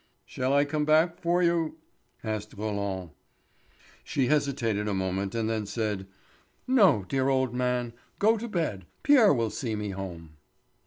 "Shall I come back for you?" asked Roland. She hesitated a moment and then said: "No, dear old man; go to bed. Pierre will see me home."